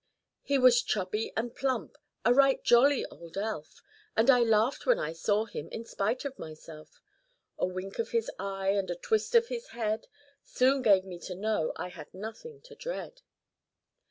He was chubby and plump‚ÄĒa right jolly old elf; And I laughed when I saw him, in spite of myself. A wink of his eye, and a twist of his head, Soon gave me to know 1 had nothing to dread.